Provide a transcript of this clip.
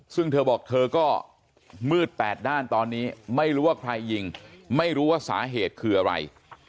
ซึ่งเธอบอกเธอก็มืดแปดด้านตอนนี้ไม่รู้ว่าใครยิงไม่รู้ว่าสาเหตุคืออะไร